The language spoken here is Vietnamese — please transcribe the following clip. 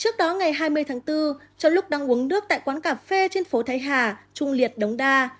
trước đó ngày hai mươi tháng bốn trong lúc đang uống nước tại quán cà phê trên phố thái hà trung liệt đống đa